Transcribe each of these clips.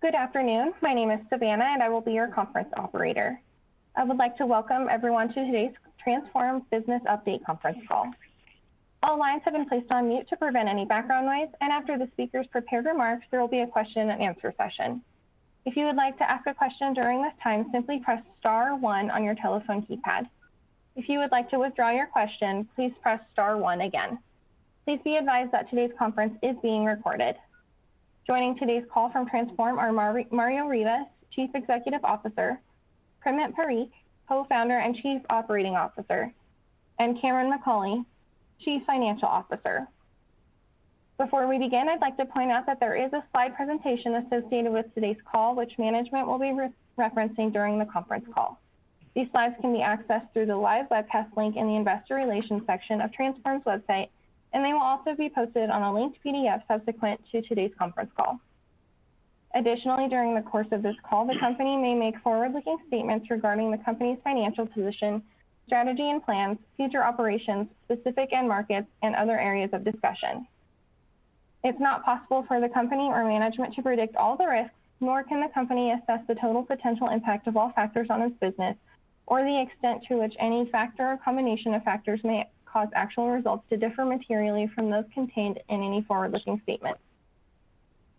Good afternoon. My name is Savannah, and I will be your conference operator. I would like to welcome everyone to today's Transphorm Business Update Conference Call. All lines have been placed on mute to prevent any background noise, and after the speakers' prepared remarks, there will be a question and answer session. If you would like to ask a question during this time, simply press star one on your telephone keypad. If you would like to withdraw your question, please press star one again. Please be advised that today's conference is being recorded. Joining today's call from Transphorm are Mario Rivas, Chief Executive Officer, Primit Parikh, Co-founder and Chief Operating Officer, and Cameron McAulay, Chief Financial Officer. Before we begin, I'd like to point out that there is a slide presentation associated with today's call, which management will be referencing during the conference call. These slides can be accessed through the live webcast link in the investor relations section of Transphorm's website, and they will also be posted on a linked PDF subsequent to today's conference call. Additionally, during the course of this call, the company may make forward-looking statements regarding the company's financial position, strategy, and plans, future operations, specific end markets, and other areas of discussion. It's not possible for the company or management to predict all the risks, nor can the company assess the total potential impact of all factors on its business or the extent to which any factor or combination of factors may cause actual results to differ materially from those contained in any forward-looking statement.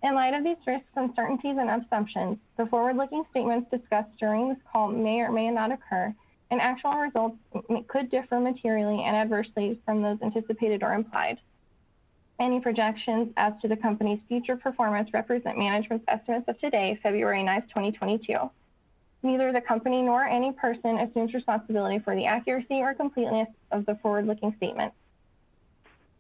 In light of these risks, uncertainties, and assumptions, the forward-looking statements discussed during this call may or may not occur, and actual results could differ materially and adversely from those anticipated or implied. Any projections as to the company's future performance represent management's estimates as of today, February ninth, twenty twenty-two. Neither the company nor any person assumes responsibility for the accuracy or completeness of the forward-looking statements.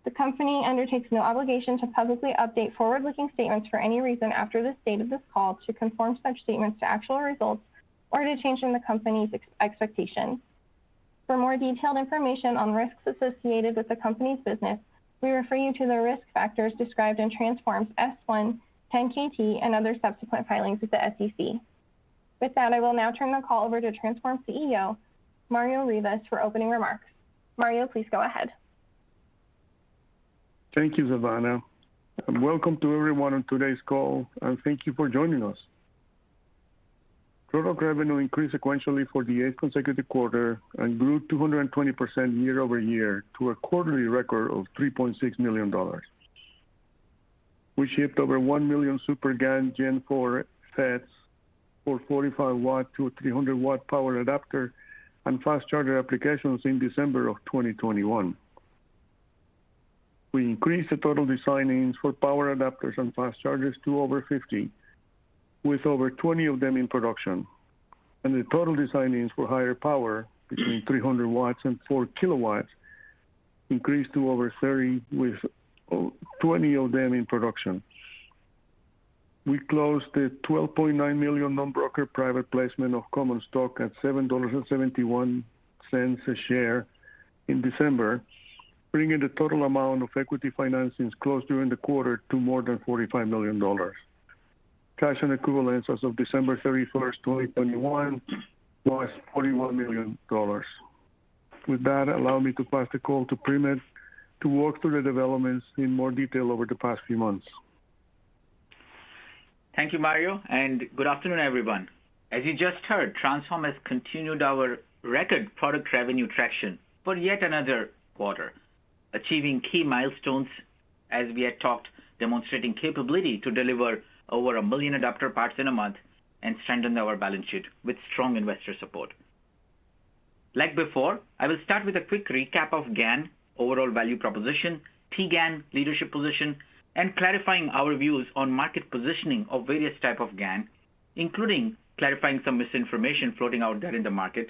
The company undertakes no obligation to publicly update forward-looking statements for any reason after the date of this call to conform such statements to actual results or to change in the company's expectations. For more detailed information on risks associated with the company's business, we refer you to the risk factors described in Transphorm's S-1, 10-K, and other subsequent filings with the SEC. With that, I will now turn the call over to Transphorm CEO, Mario Rivas, for opening remarks. Mario, please go ahead. Thank you, Savannah, and welcome to everyone on today's call, and thank you for joining us. Product revenue increased sequentially for the eighth consecutive quarter and grew 220% year over year to a quarterly record of $3.6 million. We shipped over 1 million SuperGaN Gen IV FETs for 45 W to 300 W power adapter and fast charger applications in December of 2021. We increased the total design-ins for power adapters and fast chargers to over 50, with over 20 of them in production. The total design-ins for higher power between 300 W and 4 kW increased to over 30, with 20 of them in production. We closed the $12.9 million non-brokered private placement of common stock at $7.71 a share in December, bringing the total amount of equity financings closed during the quarter to more than $45 million. Cash and equivalents as of December 31, 2021 was $41 million. With that, allow me to pass the call to Primit to walk through the developments in more detail over the past few months. Thank you, Mario, and good afternoon, everyone. As you just heard, Transphorm has continued our record product revenue traction for yet another quarter. Achieving key milestones as we had talked, demonstrating capability to deliver over a million adapter parts in a month and strengthen our balance sheet with strong investor support. Like before, I will start with a quick recap of GaN overall value proposition, T-GaN leadership position, and clarifying our views on market positioning of various type of GaN, including clarifying some misinformation floating out there in the market,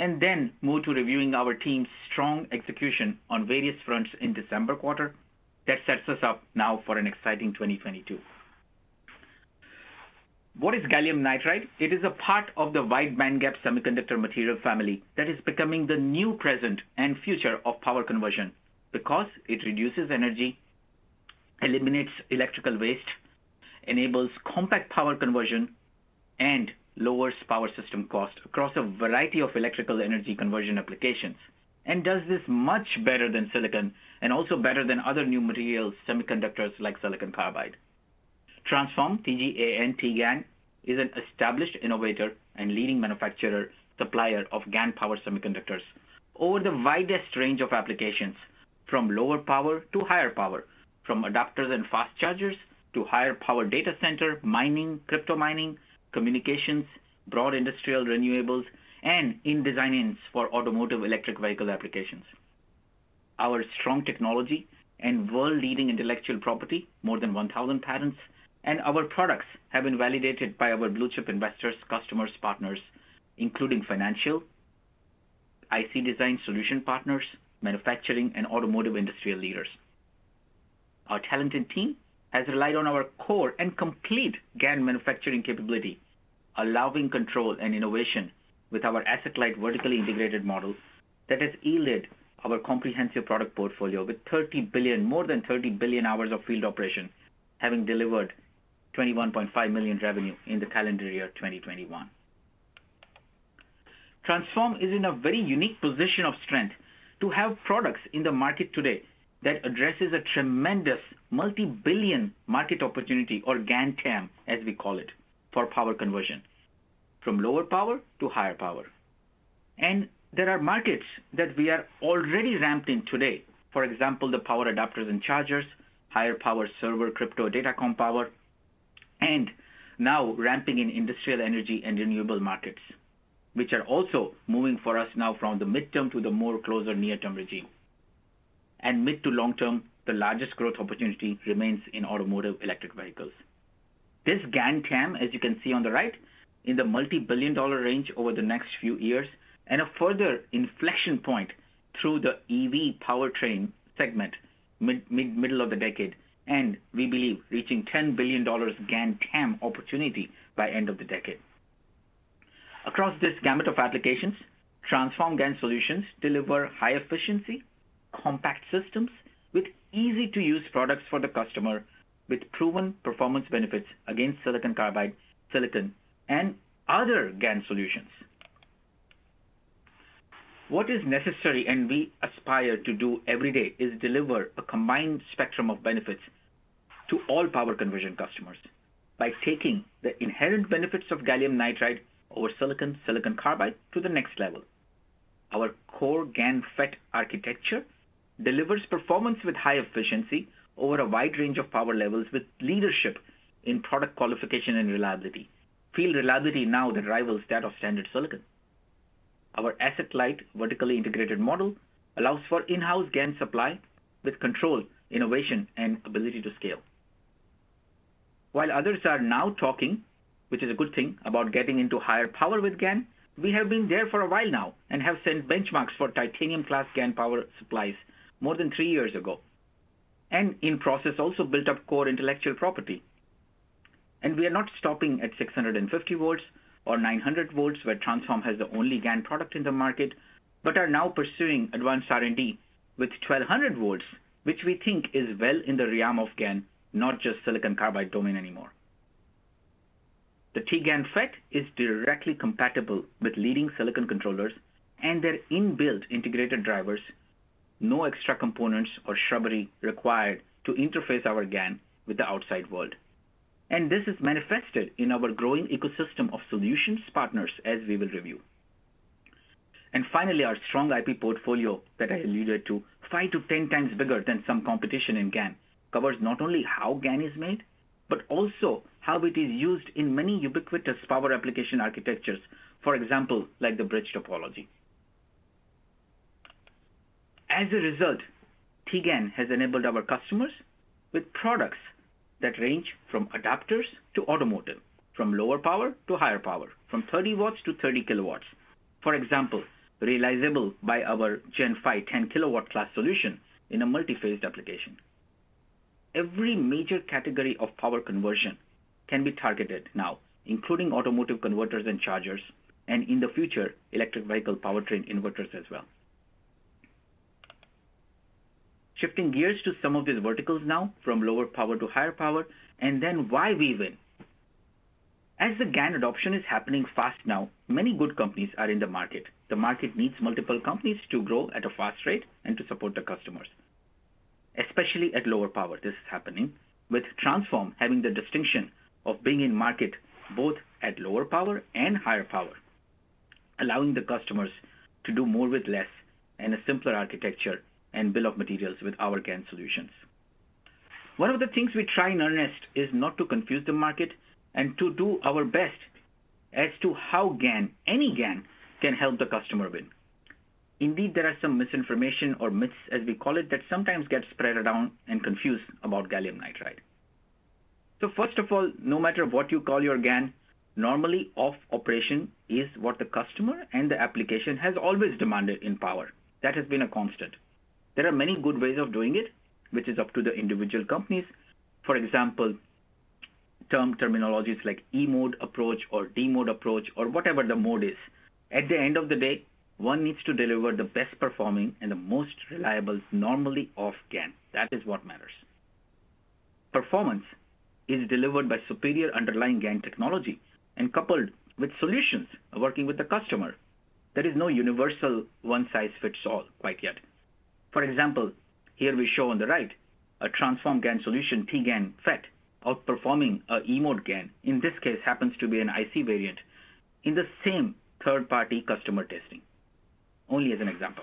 and then move to reviewing our team's strong execution on various fronts in December quarter that sets us up now for an exciting 2022. What is gallium nitride? It is a part of the wide bandgap semiconductor material family that is becoming the new present and future of power conversion because it reduces energy, eliminates electrical waste, enables compact power conversion, and lowers power system cost across a variety of electrical energy conversion applications, and does this much better than silicon and also better than other new materials semiconductors like silicon carbide. Transphorm, T-GaN, is an established innovator and leading manufacturer, supplier of GaN power semiconductors over the widest range of applications from lower power to higher power, from adapters and fast chargers to higher power data center, mining, crypto mining, communications, broad industrial renewables, and in design-ins for automotive electric vehicle applications. Our strong technology and world-leading intellectual property, more than 1,000 patents, and our products have been validated by our blue-chip investors, customers, partners, including financial, IC design solution partners, manufacturing, and automotive industry leaders. Our talented team has relied on our core and complete GaN manufacturing capability, allowing control and innovation with our asset-light, vertically integrated model that has enabled our comprehensive product portfolio with more than 30 billion hours of field operations, having delivered $21.5 million revenue in the calendar year 2021. Transphorm is in a very unique position of strength to have products in the market today that addresses a tremendous multi-billion market opportunity or GaN TAM, as we call it, for power conversion, from lower power to higher power. There are markets that we are already ramped in today. For example, the power adapters and chargers, higher power server, crypto, datacom power, and now ramping in industrial energy and renewable markets, which are also moving for us now from the midterm to the more closer near-term regime. Mid to long-term, the largest growth opportunity remains in automotive electric vehicles. This GaN TAM, as you can see on the right, in the multi-billion-dollar range over the next few years, and a further inflection point through the EV powertrain segment middle of the decade, and we believe reaching $10 billion GaN TAM opportunity by end of the decade. Across this gamut of applications, Transphorm GaN solutions deliver high efficiency, compact systems with easy-to-use products for the customer with proven performance benefits against silicon carbide, silicon, and other GaN solutions. What is necessary and we aspire to do every day is deliver a combined spectrum of benefits to all power conversion customers by taking the inherent benefits of gallium nitride over silicon carbide to the next level. Our core GaN FET architecture delivers performance with high efficiency over a wide range of power levels with leadership in product qualification and reliability, field reliability now that rivals that of standard silicon. Our asset-light, vertically integrated model allows for in-house GaN supply with control, innovation, and ability to scale. While others are now talking, which is a good thing, about getting into higher power with GaN, we have been there for a while now and have set benchmarks for titanium class GaN power supplies more than three years ago. In the process also built up core intellectual property. We are not stopping at 650 volts or 900 volts, where Transphorm has the only GaN product in the market, but are now pursuing advanced R&D with 1200 volts, which we think is well in the realm of GaN, not just silicon carbide domain anymore. The T-GaN FET is directly compatible with leading silicon controllers and their inbuilt integrated drivers. No extra components or circuitry required to interface our GaN with the outside world. This is manifested in our growing ecosystem of solutions partners, as we will review. Finally, our strong IP portfolio that I alluded to, 5-10 times bigger than some competition in GaN, covers not only how GaN is made, but also how it is used in many ubiquitous power application architectures. For example, like the bridge topology. As a result, T-GaN has enabled our customers with products that range from adapters to automotive, from lower power to higher power, from 30 watts to 30 kilowatts. For example, realizable by our Gen Five 10-kilowatt class solution in a multi-phased application. Every major category of power conversion can be targeted now, including automotive converters and chargers, and in the future, electric vehicle powertrain inverters as well. Shifting gears to some of these verticals now from lower power to higher power, and then why we win. As the GaN adoption is happening fast now, many good companies are in the market. The market needs multiple companies to grow at a fast rate and to support the customers. Especially at lower power, this is happening with Transphorm having the distinction of being in market both at lower power and higher power, allowing the customers to do more with less in a simpler architecture and bill of materials with our GaN solutions. One of the things we try in earnest is not to confuse the market and to do our best as to how GaN, any GaN, can help the customer win. Indeed, there are some misinformation or myths, as we call it, that sometimes get spread around and confused about gallium nitride. First of all, no matter what you call your GaN, normally off operation is what the customer and the application has always demanded in power. That has been a constant. There are many good ways of doing it, which is up to the individual companies. For example, technical terminologies like E-mode approach or D-mode approach or whatever the mode is. At the end of the day, one needs to deliver the best performing and the most reliable normally-off GaN. That is what matters. Performance is delivered by superior underlying GaN technology and coupled with solutions working with the customer. There is no universal one-size-fits-all quite yet. For example, here we show on the right a Transphorm GaN solution, T-GaN FET, outperforming an E-mode GaN, in this case happens to be an IC variant, in the same third-party customer testing. Only as an example.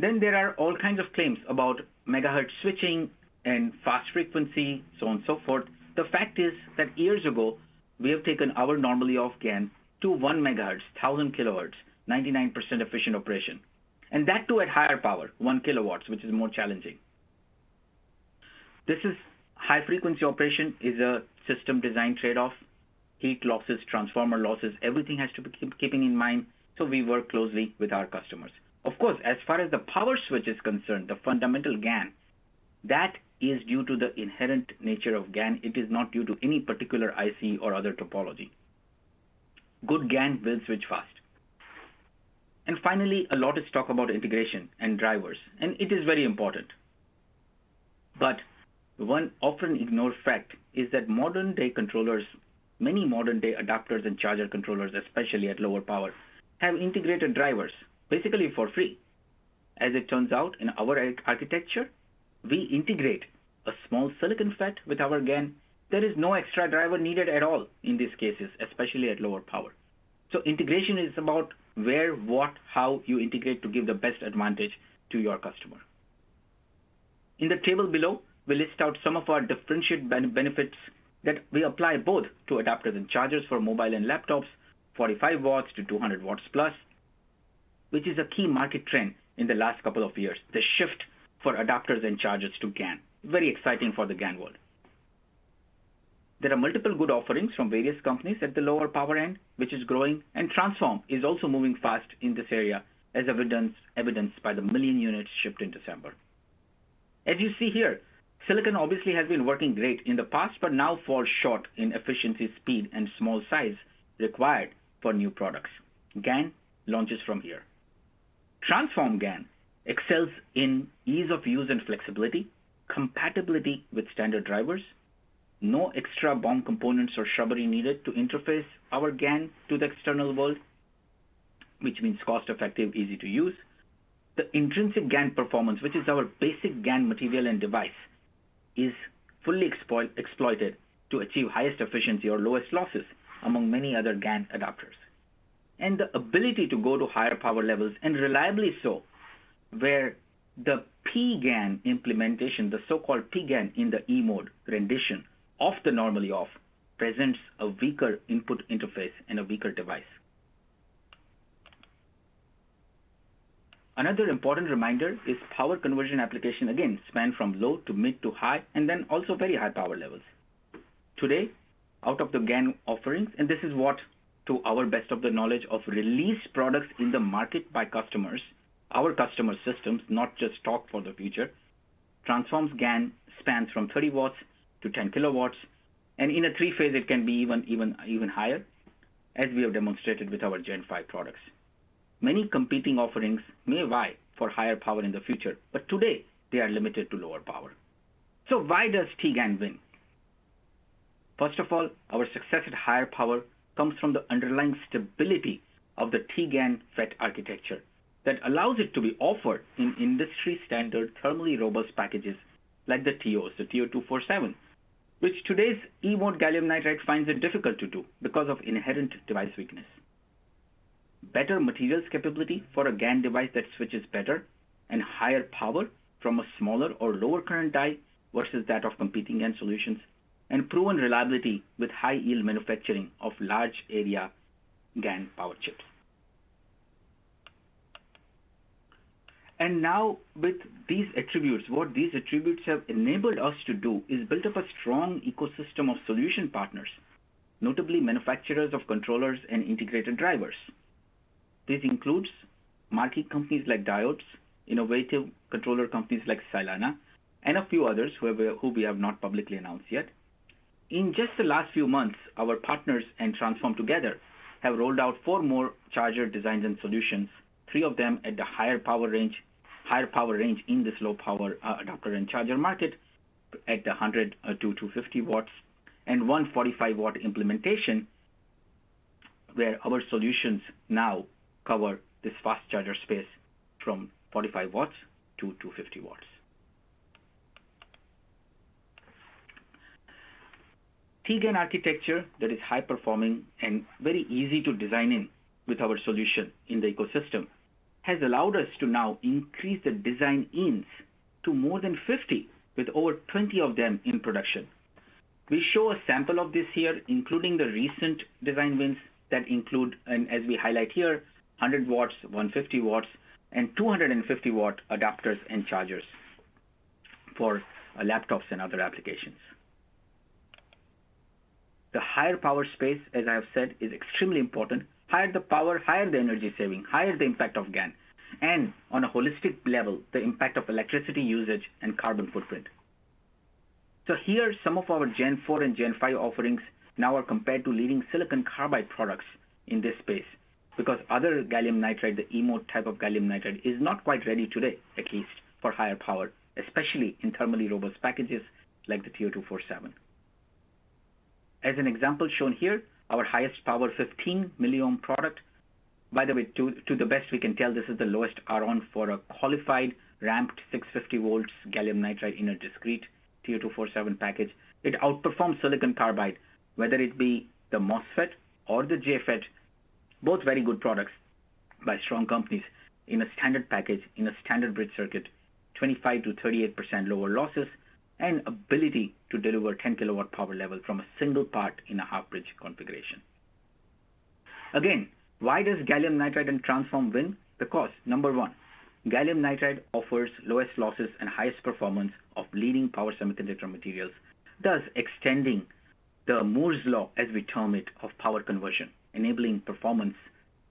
Then there are all kinds of claims about megahertz switching and fast frequency, so on and so forth. The fact is that years ago, we have taken our normally-off GaN to 1 megahertz, 1,000 kilowatts, 99% efficient operation. That too at higher power, 1 kW, which is more challenging. This high frequency operation is a system design trade-off. Heat losses, transformer losses, everything has to be kept in mind, so we work closely with our customers. Of course, as far as the power switch is concerned, the fundamental GaN, that is due to the inherent nature of GaN. It is not due to any particular IC or other topology. Good GaN will switch fast. Finally, a lot is talked about integration and drivers, and it is very important. But one often ignored fact is that modern day controllers, many modern day adapters and charger controllers, especially at lower power, have integrated drivers basically for free. As it turns out, in our architecture, we integrate a small silicon FET with our GaN. There is no extra driver needed at all in these cases, especially at lower power. Integration is about where, what, how you integrate to give the best advantage to your customer. In the table below, we list out some of our differentiated benefits that we apply both to adapters and chargers for mobile and laptops, 45 watts to 200 watts plus, which is a key market trend in the last couple of years, the shift for adapters and chargers to GaN. Very exciting for the GaN world. There are multiple good offerings from various companies at the lower power end, which is growing, and Transphorm is also moving fast in this area, as evidenced by one million units shipped in December. As you see here, silicon obviously has been working great in the past, but now falls short in efficiency, speed, and small size required for new products. GaN launches from here. Transphorm GaN excels in ease of use and flexibility, compatibility with standard drivers, no extra board components or circuitry needed to interface our GaN to the external world, which means cost-effective, easy to use. The intrinsic GaN performance, which is our basic GaN material and device, is fully exploited to achieve highest efficiency or lowest losses among many other GaN adapters. The ability to go to higher power levels, and reliably so, where the p-GaN implementation, the so-called p-GaN in the E-mode rendition of the normally off presents a weaker input interface and a weaker device. Another important reminder is power conversion application, again, span from low to mid to high, and then also very high power levels. Today, out of the GaN offerings, and this is what, to the best of our knowledge of released products in the market by customers, our customer systems, not just talk for the future, Transphorm's GaN spans from 30 watts to 10 kilowatts, and in a three-phase it can be even higher, as we have demonstrated with our Gen V products. Many competing offerings may vie for higher power in the future, but today they are limited to lower power. Why does T-GaN win? First of all, our success at higher power comes from the underlying stability of the T-GaN FET architecture that allows it to be offered in industry-standard thermally robust packages like the TO, the TO-247, which today's E-mode gallium nitride finds it difficult to do because of inherent device weakness. Better materials capability for a GaN device that switches better and higher power from a smaller or lower current die versus that of competing GaN solutions, and proven reliability with high yield manufacturing of large area GaN power chips. Now with these attributes, what these attributes have enabled us to do is build up a strong ecosystem of solution partners, notably manufacturers of controllers and integrated drivers. This includes market companies like Diodes, innovative controller companies like Silanna, and a few others who we have not publicly announced yet. In just the last few months, our partners and Transphorm together have rolled out four more charger designs and solutions, three of them at the higher power range in this low power adapter and charger market at 100-250 watts and 145-watt implementation, where our solutions now cover this fast charger space from 45-250 watts. T-GaN architecture that is high-performing and very easy to design in with our solution in the ecosystem has allowed us to now increase the design-ins to more than 50, with over 20 of them in production. We show a sample of this here, including the recent design wins that include, and as we highlight here, 100-watt, 150-watt, and 250-watt adapters and chargers for laptops and other applications. The higher power space, as I have said, is extremely important. Higher the power, higher the energy saving, higher the impact of GaN, and on a holistic level, the impact of electricity usage and carbon footprint. Here, some of our Gen IV and Gen V offerings now are compared to leading silicon carbide products in this space because other GaN, the E-mode type of GaN, is not quite ready today, at least for higher power, especially in thermally robust packages like the TO-247. As an example shown here, our highest power 15 milliohm product, by the way, to the best we can tell, this is the lowest RDS(on) for a qualified ramped 650-volt GaN in a discrete TO-247 package. It outperforms silicon carbide, whether it be the MOSFET or the JFET, both very good products by strong companies in a standard package, in a standard bridge circuit, 25%-38% lower losses, and ability to deliver 10 kW power level from a single part in a half-bridge configuration. Why does gallium nitride and Transphorm win? Because, number one, gallium nitride offers lowest losses and highest performance of leading power semiconductor materials, thus extending the Moore's Law, as we term it, of power conversion, enabling performance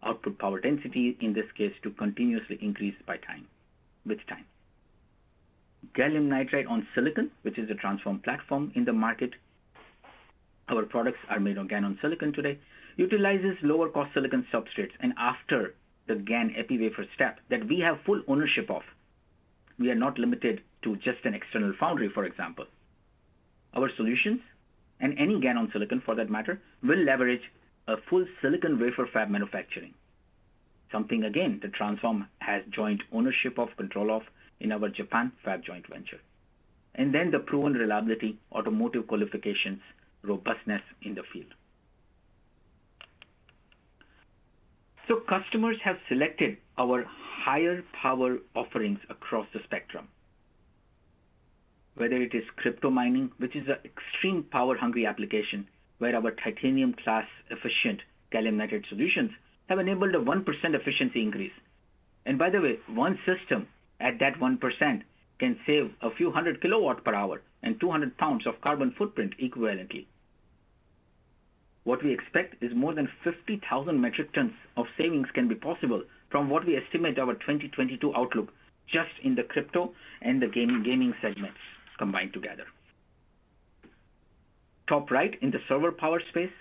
output power density, in this case, to continuously increase by time with time. Gallium nitride on silicon, which is a Transphorm platform in the market. Our products are made on GaN on silicon today, utilizes lower cost silicon substrates and after the GaN epi wafer step that we have full ownership of. We are not limited to just an external foundry, for example. Our solutions and any GaN on silicon for that matter will leverage a full silicon wafer fab manufacturing, something again that Transphorm has joint ownership of, control of in our Japan fab joint venture. Then the proven reliability, automotive qualifications, robustness in the field. Customers have selected our higher power offerings across the spectrum, whether it is crypto mining, which is an extreme power-hungry application, where our titanium class efficient gallium nitride solutions have enabled a 1% efficiency increase. By the way, one system at that 1% can save a few hundred kilowatt-hours and 200 pounds of carbon footprint equivalently. What we expect is more than 50,000 metric tons of savings can be possible from what we estimate our 2022 outlook just in the crypto and the gaming segments combined together. Top right in the server power space,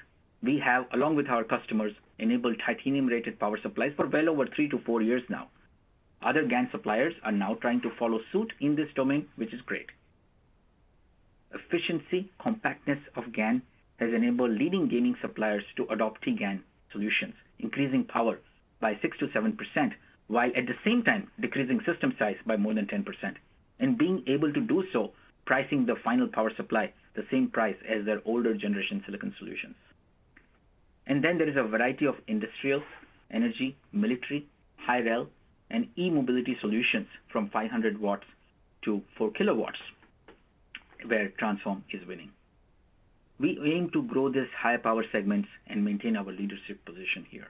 we have, along with our customers, enabled titanium-rated power supplies for well over 3-4 years now. Other GaN suppliers are now trying to follow suit in this domain, which is great. Efficiency, compactness of GaN has enabled leading gaming suppliers to adopt T-GaN solutions, increasing power by 6%-7%, while at the same time decreasing system size by more than 10%. Being able to do so, pricing the final power supply the same price as their older generation silicon solutions. There is a variety of industrial, energy, military, high rail, and e-mobility solutions from 500 W to 4 kW, where Transphorm is winning. We aim to grow this high power segments and maintain our leadership position here.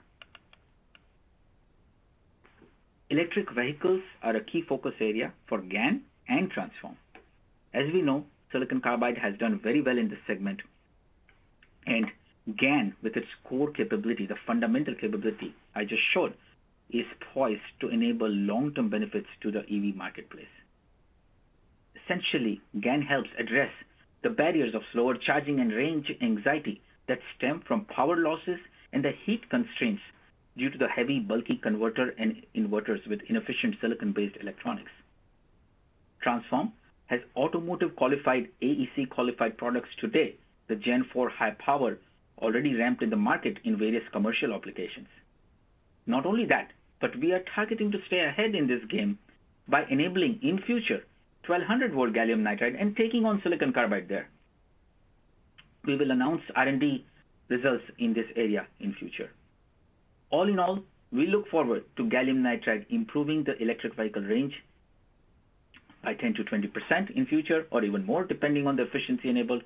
Electric vehicles are a key focus area for GaN and Transphorm. As we know, silicon carbide has done very well in this segment, and GaN, with its core capability, the fundamental capability I just showed, is poised to enable long-term benefits to the EV marketplace. Essentially, GaN helps address the barriers of slower charging and range anxiety that stem from power losses and the heat constraints due to the heavy, bulky converter and inverters with inefficient silicon-based electronics. Transphorm has automotive qualified, AEC-qualified products today, the Gen IV high power already ramped in the market in various commercial applications. Not only that, but we are targeting to stay ahead in this game by enabling, in the future, 1200-volt gallium nitride and taking on silicon carbide there. We will announce R&D results in this area in the future. All in all, we look forward to gallium nitride improving the electric vehicle range by 10%-20% in future or even more depending on the efficiency enabled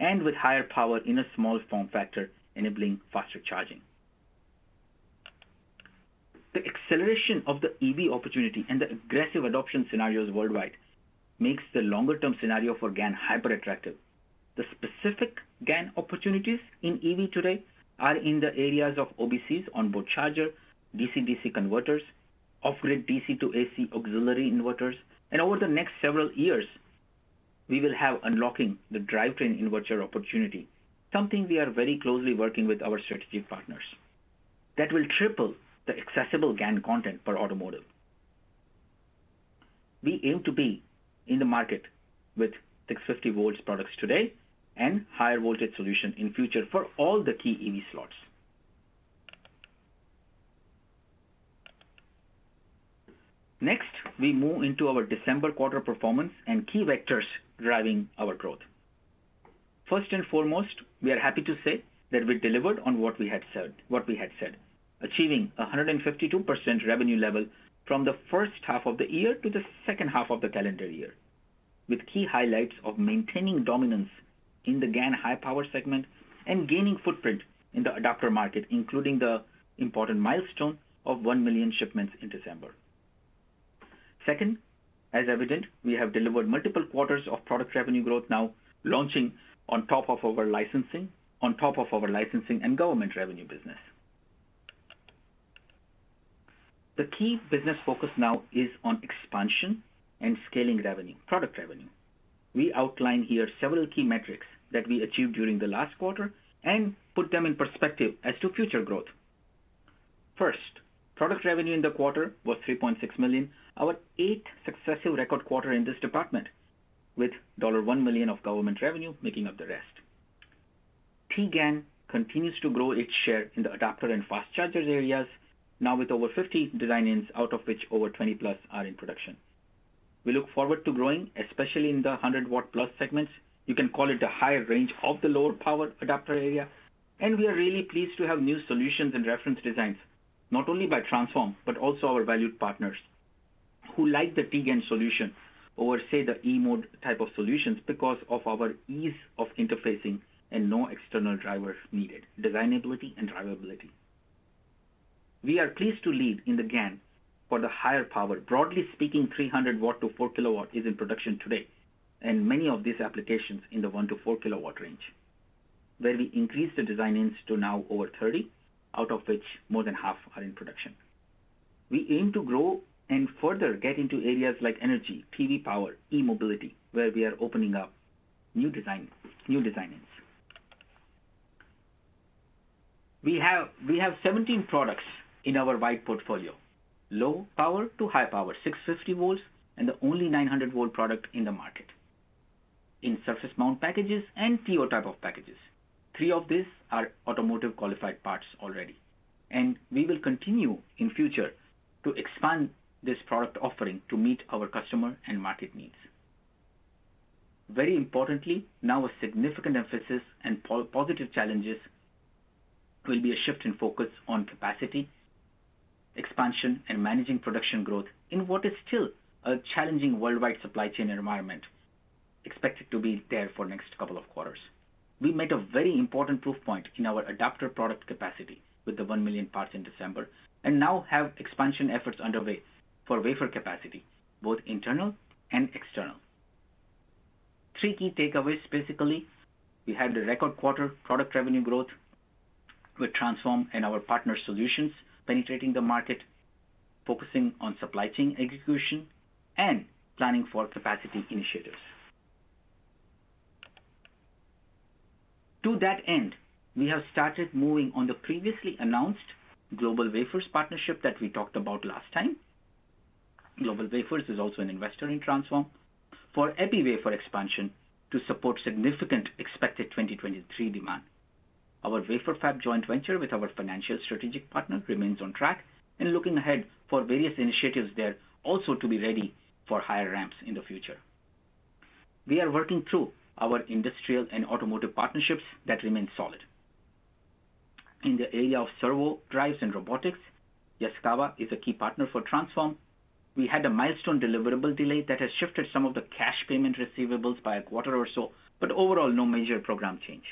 and with higher power in a small form factor enabling faster charging. The acceleration of the EV opportunity and the aggressive adoption scenarios worldwide makes the longer term scenario for GaN hyper attractive. The specific GaN opportunities in EV today are in the areas of OBCs on-board charger, DC-DC converters, off-grid DC to AC auxiliary inverters. Over the next several years, we will have unlocking the drivetrain inverter opportunity, something we are very closely working with our strategic partners that will triple the accessible GaN content for automotive. We aim to be in the market with 650 volts products today and higher voltage solution in future for all the key EV slots. Next, we move into our December quarter performance and key vectors driving our growth. First and foremost, we are happy to say that we delivered on what we had said, achieving a 152% revenue level from the first half of the year to the second half of the calendar year, with key highlights of maintaining dominance in the GaN high power segment and gaining footprint in the adapter market, including the important milestone of one million shipments in December. Second, as evident, we have delivered multiple quarters of product revenue growth now launching on top of our licensing and government revenue business. The key business focus now is on expansion and scaling revenue, product revenue. We outline here several key metrics that we achieved during the last quarter and put them in perspective as to future growth. First, product revenue in the quarter was $3.6 million, our 8th successive record quarter in this department, with $1 million of government revenue making up the rest. T-GaN continues to grow its share in the adapter and fast chargers areas, now with over 50 design-ins, out of which over 20-plus are in production. We look forward to growing, especially in the 100-watt-plus segments. You can call it the higher range of the lower power adapter area, and we are really pleased to have new solutions and reference designs, not only by Transphorm, but also our valued partners who like the T-GaN solution over, say, the E-mode type of solutions because of our ease of interfacing and no external drivers needed, designability and drivability. We are pleased to lead in the GaN for the higher power. Broadly speaking, 300-watt to 4-kilowatt is in production today, and many of these applications in the 1- to 4-kilowatt range. We've increased the design-ins to now over 30, out of which more than half are in production. We aim to grow and further get into areas like energy, PV power, e-mobility, where we are opening up new design-ins. We have 17 products in our wide portfolio, low-power to high-power, 650 volts, and the only 900-volt product in the market, in surface-mount packages and TO-type packages. Three of these are automotive-qualified parts already, and we will continue in future to expand this product offering to meet our customer and market needs. Very importantly, now a significant emphasis and positive challenges will be a shift in focus on capacity, expansion and managing production growth in what is still a challenging worldwide supply chain environment, expected to be there for next couple of quarters. We made a very important proof point in our adapter product capacity with the one million parts in December, and now have expansion efforts underway for wafer capacity, both internal and external. Three key takeaways. Basically, we had the record quarter product revenue growth with Transphorm and our partner solutions penetrating the market, focusing on supply chain execution and planning for capacity initiatives. To that end, we have started moving on the previously announced GlobalWafers partnership that we talked about last time. GlobalWafers is also an investor in Transphorm for epi wafer expansion to support significant expected 2023 demand. Our wafer fab joint venture with our financial strategic partner remains on track and looking ahead for various initiatives there also to be ready for higher ramps in the future. We are working through our industrial and automotive partnerships that remain solid. In the area of servo drives and robotics, Yaskawa is a key partner for Transphorm. We had a milestone deliverable delay that has shifted some of the cash payment receivables by a quarter or so, but overall, no major program change.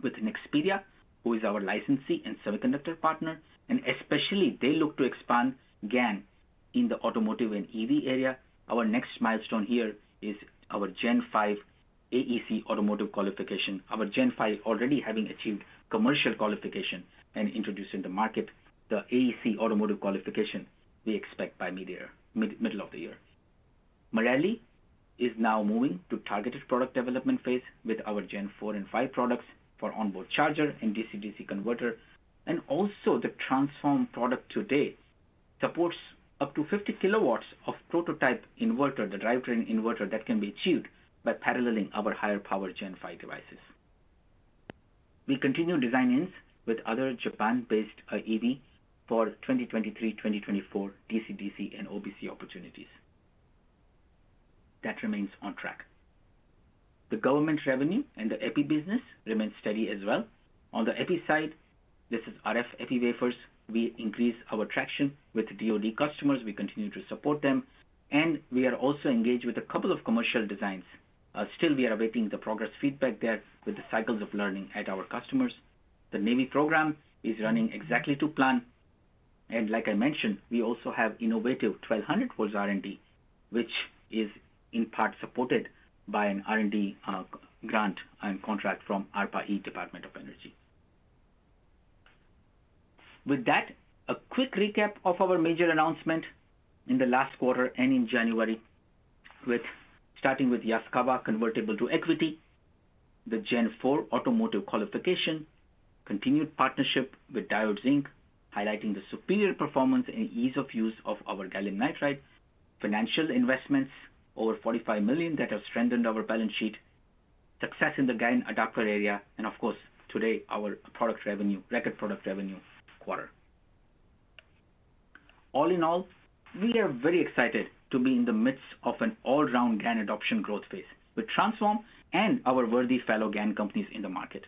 With Nexperia, who is our licensee and semiconductor partner, and especially they look to expand GaN in the automotive and EV area. Our next milestone here is our Gen five AEC automotive qualification. Our Gen five already having achieved commercial qualification and introduced in the market, the AEC automotive qualification we expect by midyear, middle of the year. Marelli is now moving to targeted product development phase with our Gen IV and V products for onboard charger and DC/DC converter. The Transphorm product today supports up to 50 kW of prototype inverter, the drivetrain inverter that can be achieved by paralleling our higher power Gen V devices. We continue design-ins with other Japan-based EV for 2023, 2024 DC/DC and OBC opportunities. That remains on track. The government revenue and the epi business remains steady as well. On the epi side, this is RF epi wafers. We increase our traction with DoD customers, we continue to support them, and we are also engaged with a couple of commercial designs. Still we are awaiting the progress feedback there with the cycles of learning at our customers. The Navy program is running exactly to plan, and like I mentioned, we also have innovative 1200 volts R&D, which is in part supported by an R&D grant and contract from ARPA-E, Department of Energy. With that, a quick recap of our major announcement in the last quarter and in January with starting with Yaskawa convertible to equity, the Gen IV automotive qualification, continued partnership with Diodes Inc, highlighting the superior performance and ease of use of our gallium nitride, financial investments over $45 million that have strengthened our balance sheet, success in the GaN adapter area, and of course, today our product revenue, record product revenue quarter. All in all, we are very excited to be in the midst of an all-round GaN adoption growth phase with Transphorm and our worthy fellow GaN companies in the market.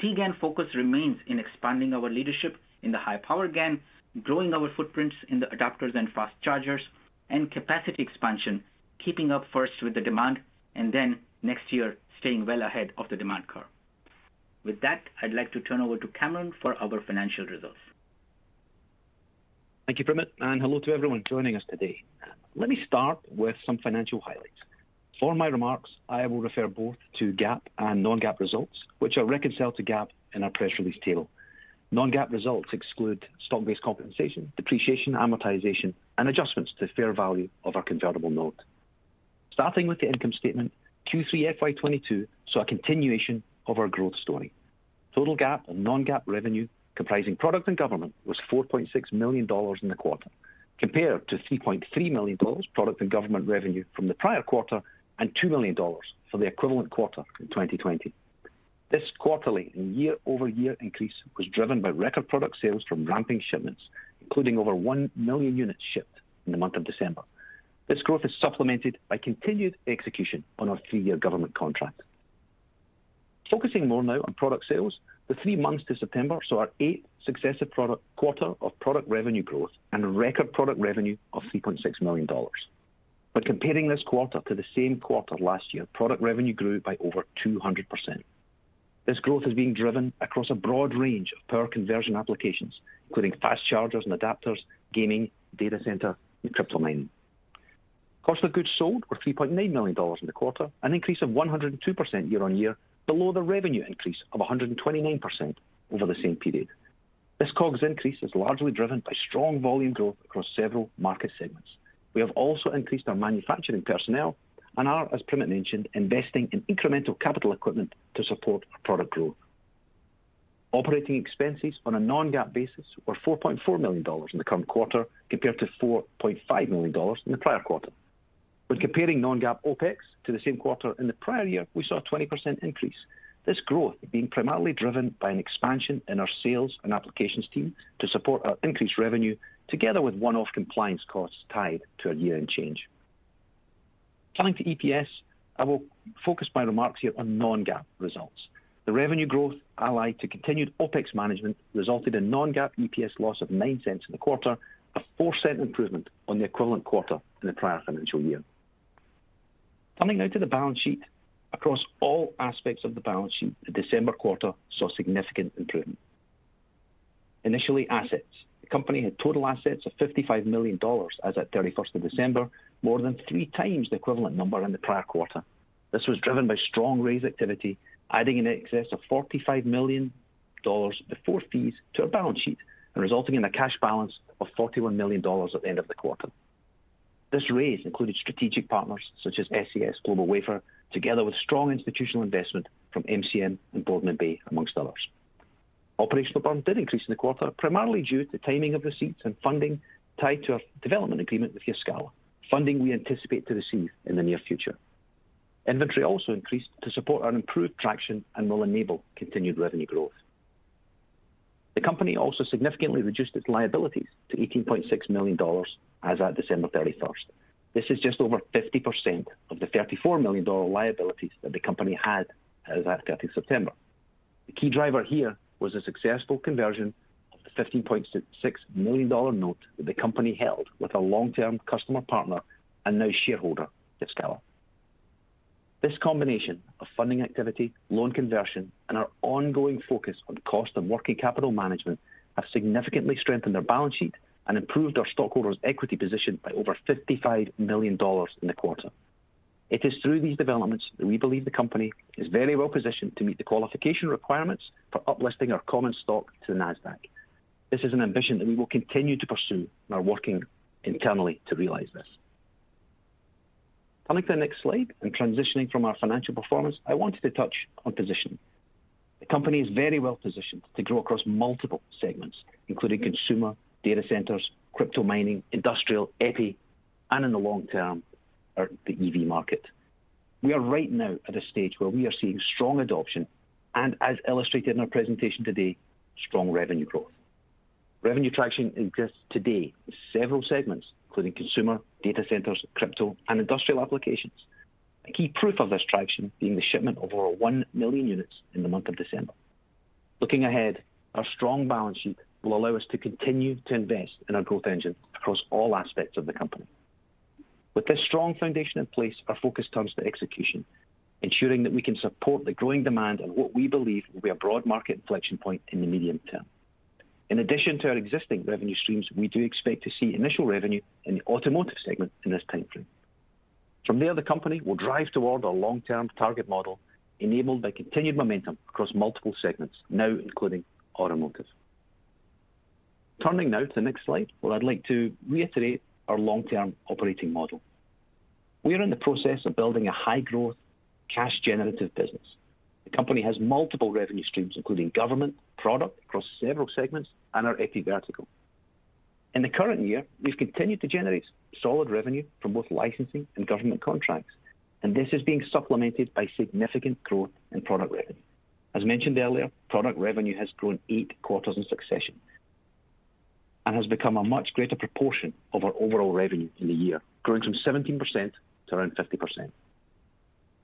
T-GaN focus remains in expanding our leadership in the high power GaN, growing our footprints in the adapters and fast chargers, and capacity expansion, keeping up first with the demand and then next year staying well ahead of the demand curve. With that, I'd like to turn over to Cameron for our financial results. Thank you, Primit, and hello to everyone joining us today. Let me start with some financial highlights. For my remarks, I will refer both to GAAP and non-GAAP results, which are reconciled to GAAP in our press release table. Non-GAAP results exclude stock-based compensation, depreciation, amortization, and adjustments to fair value of our convertible note. Starting with the income statement, Q3 FY 2022 saw a continuation of our growth story. Total GAAP and non-GAAP revenue, comprising product and government, was $4.6 million in the quarter, compared to $3.3 million product and government revenue from the prior quarter and $2 million for the equivalent quarter in 2020. This quarterly and year-over-year increase was driven by record product sales from ramping shipments, including over 1 million units shipped in the month of December. This growth is supplemented by continued execution on our three-year government contract. Focusing more now on product sales, the three months to September saw our eighth successive product quarter of product revenue growth and record product revenue of $3.6 million. By comparing this quarter to the same quarter last year, product revenue grew by over 200%. This growth is being driven across a broad range of power conversion applications, including fast chargers and adapters, gaming, data center, and crypto mining. Cost of goods sold were $3.9 million in the quarter, an increase of 102% year-on-year, below the revenue increase of 129% over the same period. This COGS increase is largely driven by strong volume growth across several market segments. We have also increased our manufacturing personnel and are, as Primit mentioned, investing in incremental capital equipment to support product growth. Operating expenses on a non-GAAP basis were $4.4 million in the current quarter, compared to $4.5 million in the prior quarter. When comparing non-GAAP OpEx to the same quarter in the prior year, we saw a 20% increase. This growth, being primarily driven by an expansion in our sales and applications team to support our increased revenue together with one-off compliance costs tied to a year-end change. Turning to EPS, I will focus my remarks here on non-GAAP results. The revenue growth allied to continued OpEx management resulted in non-GAAP EPS loss of $0.09 in the quarter, a $0.04 improvement on the equivalent quarter in the prior financial year. Coming now to the balance sheet. Across all aspects of the balance sheet, the December quarter saw significant improvement. Initially, assets. The company had total assets of $55 million as at 31st of December, more than 3 times the equivalent number in the prior quarter. This was driven by strong raise activity, adding in excess of $45 million before fees to our balance sheet and resulting in a cash balance of $41 million at the end of the quarter. This raise included strategic partners such as SAS and GlobalWafers, together with strong institutional investment from MCM and Boardman Bay Capital Management, amongst others. AR balance did increase in the quarter, primarily due to timing of receipts and funding tied to a development agreement with Yaskawa, funding we anticipate to receive in the near future. Inventory also increased to support our improved traction and will enable continued revenue growth. The company also significantly reduced its liabilities to $18.6 million as at December 31. This is just over 50% of the $34 million liabilities that the company had as at September 30. The key driver here was a successful conversion of the $15.6 million note that the company held with a long-term customer partner and now shareholder, Yaskawa. This combination of funding activity, loan conversion, and our ongoing focus on cost and working capital management have significantly strengthened our balance sheet and improved our stockholders' equity position by over $55 million in the quarter. It is through these developments that we believe the company is very well-positioned to meet the qualification requirements for up-listing our common stock to the Nasdaq. This is an ambition that we will continue to pursue, and are working internally to realize this. Coming to the next slide and transitioning from our financial performance, I wanted to touch on positioning. The company is very well-positioned to grow across multiple segments, including consumer, data centers, crypto mining, industrial, epi, and in the long term, the EV market. We are right now at a stage where we are seeing strong adoption and, as illustrated in our presentation today, strong revenue growth. Revenue traction exists today with several segments, including consumer, data centers, crypto, and industrial applications, a key proof of this traction being the shipment of over 1 million units in the month of December. Looking ahead, our strong balance sheet will allow us to continue to invest in our growth engine across all aspects of the company. With this strong foundation in place, our focus turns to execution, ensuring that we can support the growing demand and what we believe will be a broad market inflection point in the medium term. In addition to our existing revenue streams, we do expect to see initial revenue in the automotive segment in this time frame. From there, the company will drive toward a long-term target model enabled by continued momentum across multiple segments, now including automotive. Turning now to the next slide, where I'd like to reiterate our long-term operating model. We are in the process of building a high-growth, cash-generative business. The company has multiple revenue streams, including government, product across several segments, and our EPI vertical. In the current year, we've continued to generate solid revenue from both licensing and government contracts, and this is being supplemented by significant growth in product revenue. As mentioned earlier, product revenue has grown 8 quarters in succession and has become a much greater proportion of our overall revenue in the year, growing from 17% to around 50%.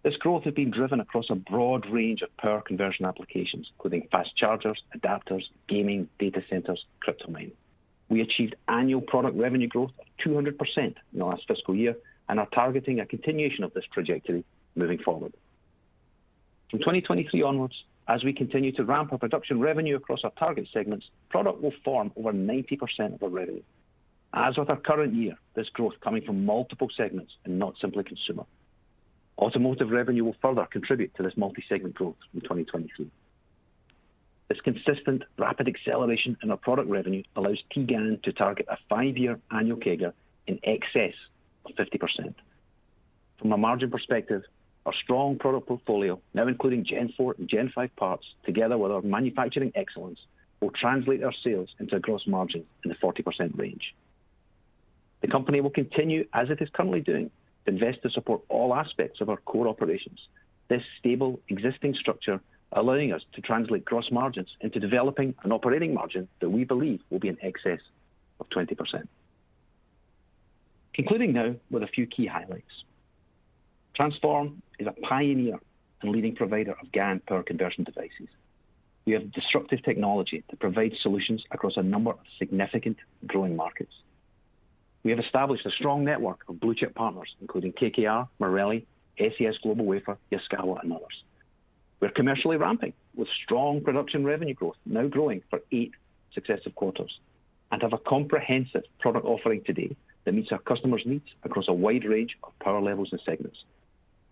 This growth has been driven across a broad range of power conversion applications, including fast chargers, adapters, gaming, data centers, crypto mining. We achieved annual product revenue growth of 200% in our last fiscal year and are targeting a continuation of this trajectory moving forward. From 2023 onwards, as we continue to ramp up production revenue across our target segments, product will form over 90% of our revenue. As with our current year, this growth coming from multiple segments and not simply consumer. Automotive revenue will further contribute to this multi-segment growth in 2023. This consistent rapid acceleration in our product revenue allows Transphorm to target a five-year annual CAGR in excess of 50%. From a margin perspective, our strong product portfolio, now including Gen IV and Gen V parts, together with our manufacturing excellence, will translate our sales into a gross margin in the 40% range. The company will continue, as it is currently doing, to invest to support all aspects of our core operations. This stable existing structure allowing us to translate gross margins into developing an operating margin that we believe will be in excess of 20%. Concluding now with a few key highlights. Transphorm is a pioneer and leading provider of GaN power conversion devices. We have disruptive technology that provides solutions across a number of significant growing markets. We have established a strong network of blue-chip partners, including KKR, Marelli, SAS, GlobalWafers, Yaskawa, and others. We're commercially ramping with strong production revenue growth, now growing for eight successive quarters, and have a comprehensive product offering today that meets our customers' needs across a wide range of power levels and segments,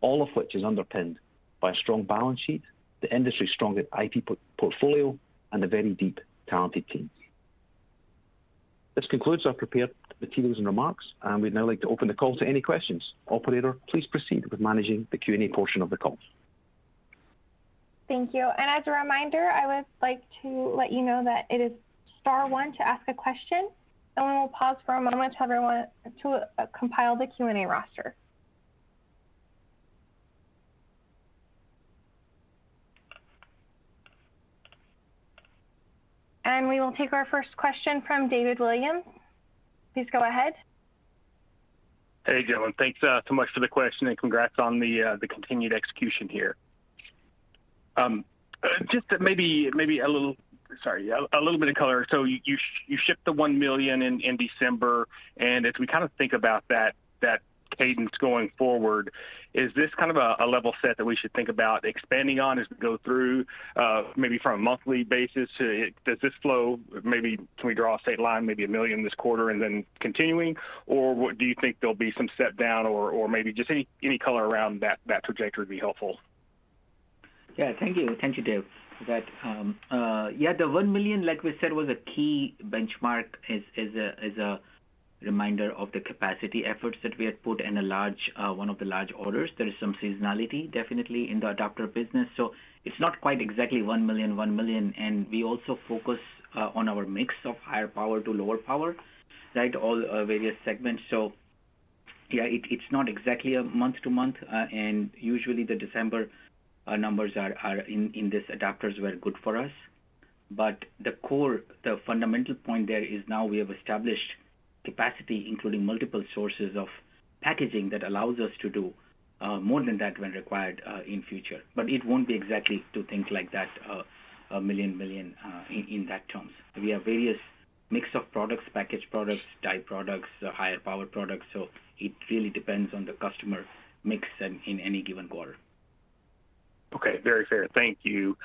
all of which is underpinned by a strong balance sheet, the industry's strongest IP portfolio, and a very deep, talented team. This concludes our prepared materials and remarks, and we'd now like to open the call to any questions. Operator, please proceed with managing the Q&A portion of the call. Thank you. As a reminder, I would like to let you know that it is star one to ask a question. We will pause for a moment to compile the Q&A roster. We will take our first question from David Williams. Please go ahead. Hey, gentlemen. Thanks so much for the question and congrats on the continued execution here. Just maybe a little bit of color. You shipped the one million in December, and as we kind of think about that cadence going forward, is this kind of a level set that we should think about expanding on as we go through maybe from a monthly basis? Does this flow? Maybe can we draw a straight line, maybe a million this quarter and then continuing, or what do you think there'll be some step down or maybe just any color around that trajectory would be helpful. Thank you. Thank you, Dave, for that. Yeah, the 1 million, like we said, was a key benchmark as a reminder of the capacity efforts that we had put in a large one of the large orders. There is some seasonality definitely in the adapter business, so it's not quite exactly 1 million. We also focus on our mix of higher power to lower power, right? All various segments. Yeah, it's not exactly month-to-month, and usually the December numbers in these adapters were good for us. The core, the fundamental point there is now we have established capacity, including multiple sources of packaging that allows us to do more than that when required in future. It won't be exactly to think like that, $1 million in that terms. We have various mix of products, packaged products, die products, higher power products, so it really depends on the customer mix in any given quarter. Okay. Very fair. Thank you.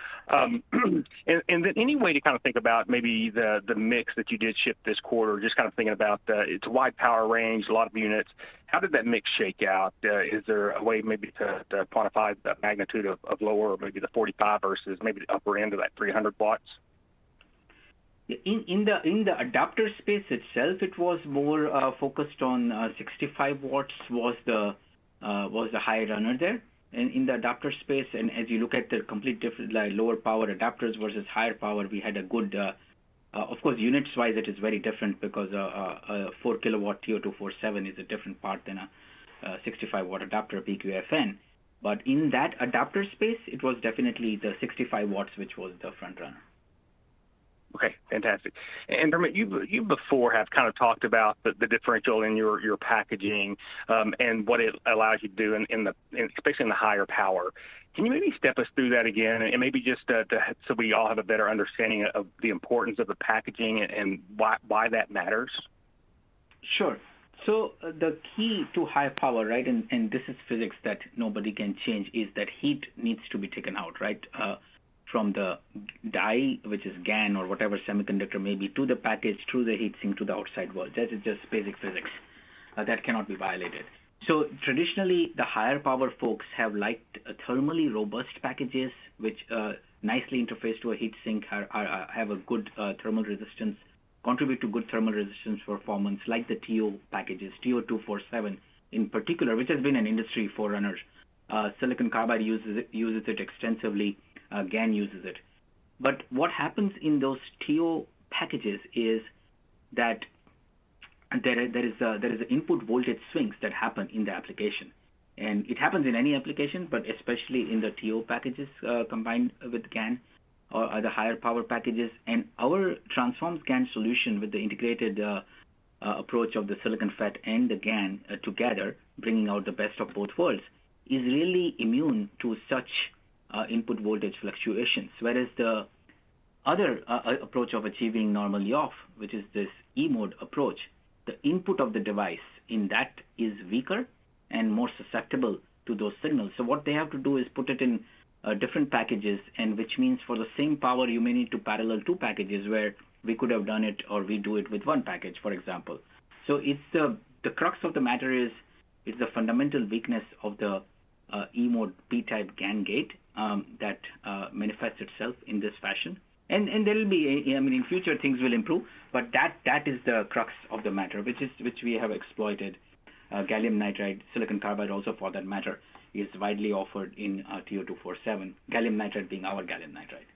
Any way to kind of think about maybe the mix that you did ship this quarter, just kind of thinking about it's a wide power range, a lot of units. How did that mix shake out? Is there a way maybe to quantify the magnitude of lower or maybe the 45 versus maybe the upper end of that 300 watts? In the adapter space itself, it was more focused on. 65 watts was the higher runner there. In the adapter space, as you look at the completely different, like, lower power adapters versus higher power, of course, units-wise, it is very different because a 4 kW TO-247 is a different part than a 65-watt adapter, PQFN. In that adapter space, it was definitely the 65 watts, which was the front runner. Okay. Fantastic. Primit, you have before kind of talked about the differential in your packaging and what it allows you to do, especially in the higher power. Can you maybe step us through that again and maybe just so we all have a better understanding of the importance of the packaging and why that matters? Sure. The key to higher power, right, and this is physics that nobody can change, is that heat needs to be taken out, right? From the die, which is GaN or whatever semiconductor may be, to the package, through the heat sink, to the outside world. That is just basic physics that cannot be violated. Traditionally, the higher power folks have liked thermally robust packages, which nicely interface to a heat sink or have a good thermal resistance, contribute to good thermal resistance performance like the TO packages, TO-247 in particular, which has been an industry forerunner. Silicon carbide uses it extensively. GaN uses it. But what happens in those TO packages is that there is input voltage swings that happen in the application. It happens in any application, but especially in the TO packages, combined with GaN or the higher power packages. Our Transphorm GaN solution with the integrated approach of the silicon FET and the GaN together, bringing out the best of both worlds, is really immune to such input voltage fluctuations. Whereas the other approach of achieving normally off, which is this E-mode approach, the input of the device in that is weaker and more susceptible to those signals. What they have to do is put it in different packages and which means for the same power, you may need to parallel two packages where we could have done it or we do it with one package, for example. It's the crux of the matter is the fundamental weakness of the E-mode p-GaN gate that manifests itself in this fashion. There will be, I mean, in future things will improve, but that is the crux of the matter, which we have exploited gallium nitride. Silicon carbide also, for that matter, is widely offered in our TO-247, gallium nitride being our gallium nitride.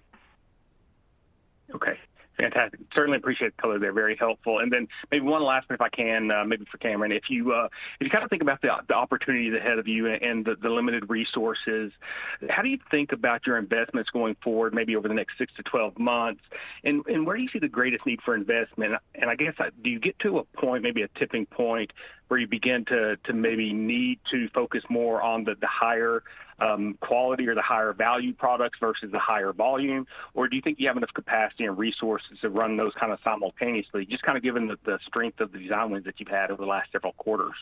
Okay. Fantastic. Certainly appreciate the color there. Very helpful. Maybe one last one if I can, maybe for Cameron. If you kind of think about the opportunities ahead of you and the limited resources, how do you think about your investments going forward, maybe over the next 6-12 months? Where do you see the greatest need for investment? I guess, do you get to a point, maybe a tipping point, where you begin to maybe need to focus more on the higher quality or the higher value products versus the higher volume? Or do you think you have enough capacity and resources to run those kind of simultaneously, just kind of given the strength of the design wins that you've had over the last several quarters?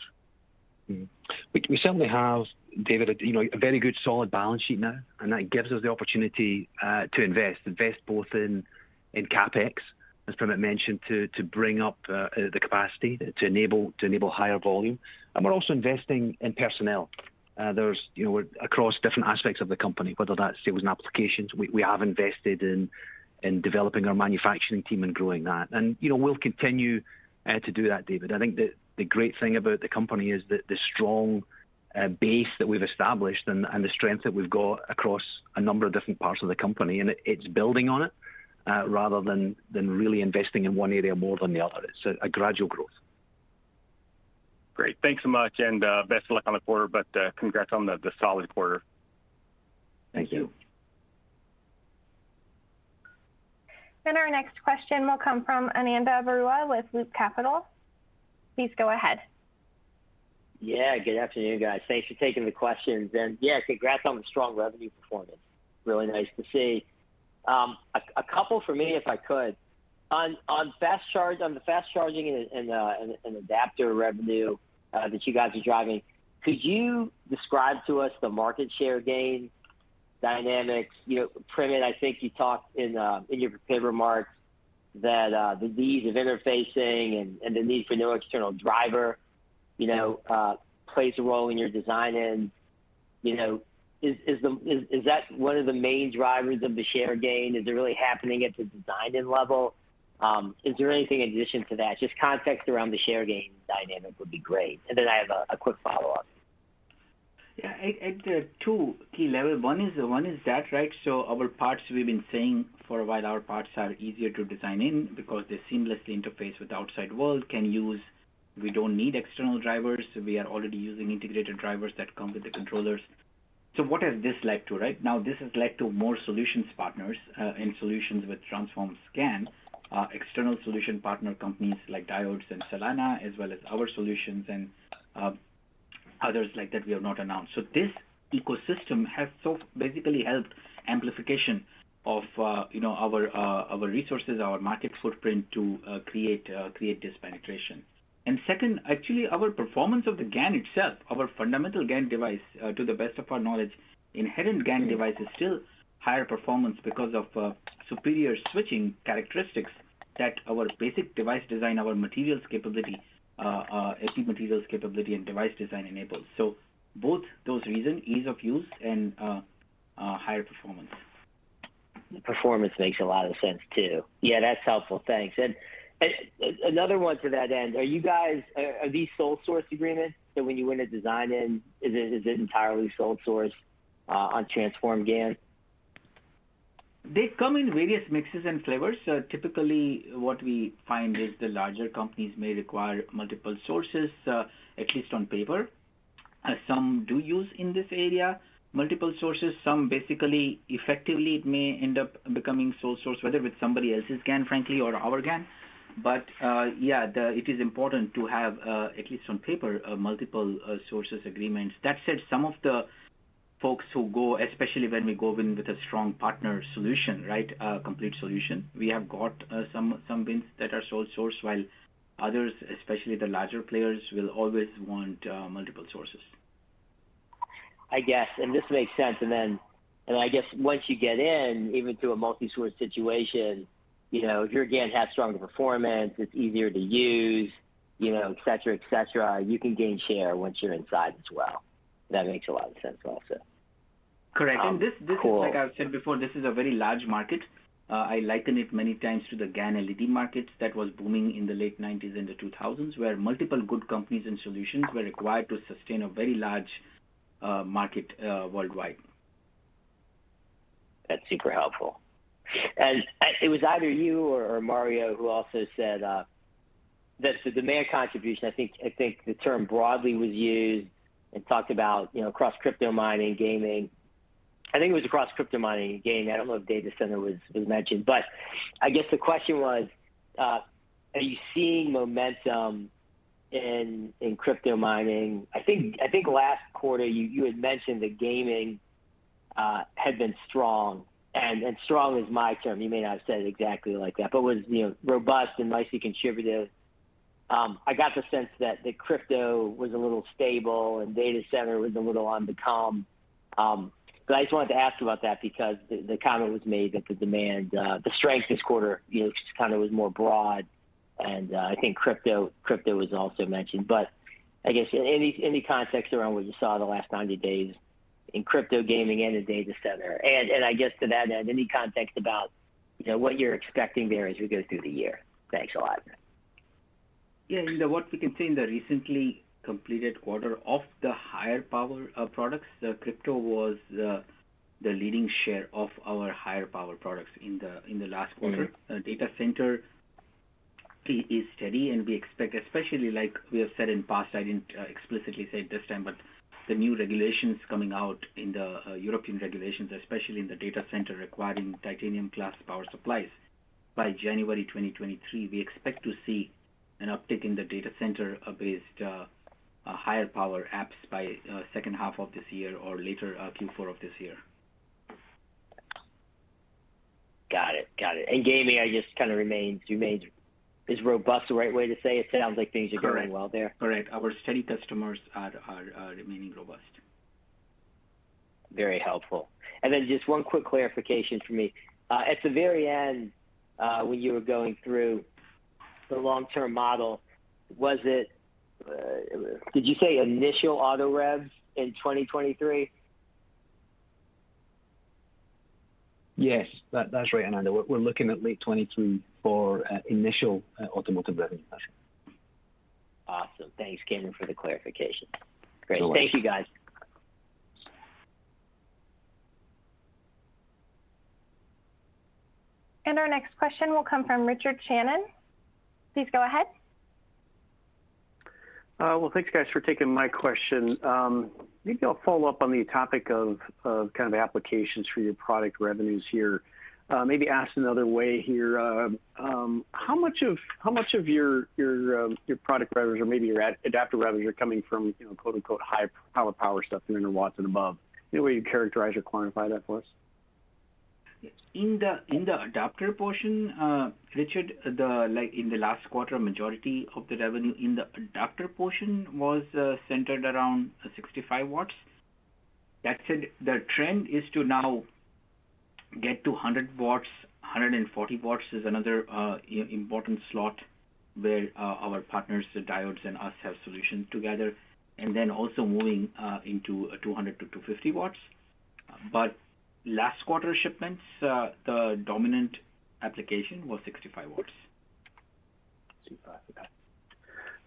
We certainly have, David, you know, a very good solid balance sheet now, and that gives us the opportunity to invest both in CapEx, as Primit mentioned, to bring up the capacity to enable higher volume. We're also investing in personnel. There's, you know, across different aspects of the company, whether that's sales and applications, we have invested in developing our manufacturing team and growing that. You know, we'll continue to do that, David. I think the great thing about the company is the strong base that we've established and the strength that we've got across a number of different parts of the company, and it's building on it rather than really investing in one area more than the other. It's a gradual growth. Great. Thanks so much, and best of luck on the quarter, but congrats on the solid quarter. Thank you. Our next question will come from Ananda Baruah with Loop Capital. Please go ahead. Yeah. Good afternoon, guys. Thanks for taking the questions. Yeah, congrats on the strong revenue performance. Really nice to see. A couple for me, if I could. On fast charging and adapter revenue that you guys are driving, could you describe to us the market share gain dynamics? You know, Primit, I think you talked in your prepared remarks that the ease of interfacing and the need for no external driver, you know, plays a role in your design-in. You know, is that one of the main drivers of the share gain? Is it really happening at the design-in level? Is there anything in addition to that? Just context around the share gain dynamic would be great. I have a quick follow-up. Yeah. At two key levels. One is that, right? Our parts, we've been saying for a while our parts are easier to design in because they seamlessly interface with the outside world. We don't need external drivers. We are already using integrated drivers that come with the controllers. What has this led to, right? This has led to more solutions partners and solutions with Transphorm GaN, external solution partner companies like Diodes and Silanna, as well as our solutions and others like that we have not announced. This ecosystem has basically helped amplification of, you know, our resources, our market footprint to create this penetration. Second, actually, our performance of the GaN itself, our fundamental GaN device, to the best of our knowledge, inherent GaN device is still higher performance because of superior switching characteristics that our basic device design, our materials capability, epi materials capability and device design enables. Both those reasons, ease of use and higher performance. The performance makes a lot of sense, too. Yeah, that's helpful. Thanks. Another one to that end. Are these sole source agreements that when you win a design-in, is it entirely sole source on Transphorm GaN? They come in various mixes and flavors. Typically what we find is the larger companies may require multiple sources, at least on paper. Some do use in this area multiple sources. Some basically effectively it may end up becoming sole source, whether with somebody else's GaN, frankly, or our GaN. It is important to have, at least on paper, multiple sources agreements. That said, some of the folks who go, especially when we go in with a strong partner solution, right, a complete solution, we have got some wins that are sole source, while others, especially the larger players, will always want multiple sources. I guess, and this makes sense. I guess once you get in, even to a multi-source situation, you know, your GaN has stronger performance, it's easier to use, you know, et cetera, et cetera, you can gain share once you're inside as well. That makes a lot of sense also. Correct. Cool. This is like I've said before, this is a very large market. I liken it many times to the GaN LED markets that was booming in the late 1990s and 2000s, where multiple good companies and solutions were required to sustain a very large market worldwide. That's super helpful. It was either you or Mario who also said that the demand contribution, I think the term broadly was used and talked about, you know, across crypto mining, gaming. I think it was across crypto mining and gaming. I don't know if data center was mentioned. I guess the question was, are you seeing momentum in crypto mining? I think last quarter you had mentioned that gaming had been strong, and strong is my term. You may not have said it exactly like that, but was robust and nicely contributive. I got the sense that the crypto was a little stable and data center was a little on the calm. I just wanted to ask about that because the comment was made that the demand, the strength this quarter, you know, kind of was more broad and, I think crypto was also mentioned. I guess any context around what you saw the last 90 days in crypto gaming and in data center. I guess to that end, any context about, you know, what you're expecting there as we go through the year. Thanks a lot. Yeah. What we can say in the recently completed quarter of the higher power products, crypto was the leading share of our higher power products in the last quarter. Mm-hmm. Data center is steady, and we expect, especially like we have said in past, I didn't explicitly say it this time, but the new regulations coming out in the European regulations, especially in the data center requiring Titanium-class power supplies. By January 2023, we expect to see an uptick in the data center-based higher power apps by second half of this year or later, Q4 of this year. Got it. Gaming, I just kind of remains robust the right way to say? It sounds like things are going well there. Correct. Our steady customers are remaining robust. Very helpful. Just one quick clarification for me. At the very end, when you were going through the long-term model, was it, did you say initial auto rev in 2023? Yes. That's right, Ananda. We're looking at late 2023 for initial automotive revenue. Awesome. Thanks, Cameron, for the clarification. No worries. Great. Thank you, guys. Our next question will come from Richard Shannon. Please go ahead. Well, thanks guys for taking my question. Maybe I'll follow up on the topic of kind of applications for your product revenues here. Maybe asked another way here, how much of your product revenues or maybe your adapter revenue are coming from, you know, quote-unquote, high power stuff, 300 watts and above? Any way you'd characterize or quantify that for us? In the adapter portion, Richard, like, in the last quarter, majority of the revenue in the adapter portion was centered around 65 watts. That said, the trend is to now get to 100 watts. 140 watts is another important slot where our partners, Diodes and us, have solutions together. Then also moving into 200-250 watts. Last quarter shipments, the dominant application was 65 watts.